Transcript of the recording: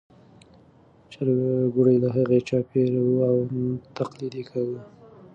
چرګوړي له هغې چاپېر وو او تقلید یې کاوه.